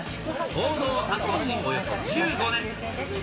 報道を担当して１５年。